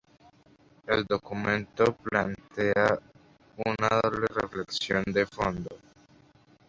El documental plantea una doble reflexión de fondo.